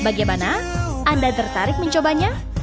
bagaimana anda tertarik mencobanya